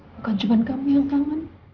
bukan cuma kami yang kangen